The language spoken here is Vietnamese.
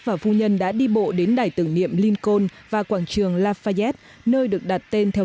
và phu nhân đã đi bộ đến đài tưởng niệm lincoln và quảng trường lafayette nơi được đặt tên theo